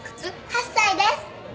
８歳です。